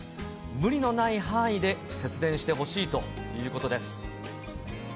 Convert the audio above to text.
無理のない範囲で節電してほしいということです。